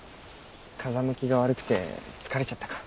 風向きが悪くて疲れちゃったか。